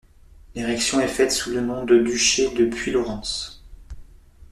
L'érection est faite sous le nom de duché de Puylaurens.